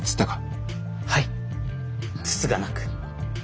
はいつつがなく。